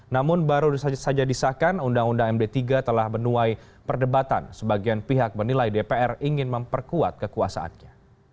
namun baru saja disahkan undang undang md tiga telah menuai perdebatan sebagian pihak menilai dpr ingin memperkuat kekuasaannya